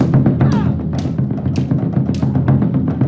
โชว์เค็นโด